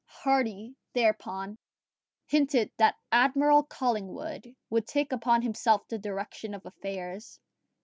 Hardy, thereupon, hinted that Admiral Collingwood would take upon himself the direction of affairs.